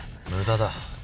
無駄だ。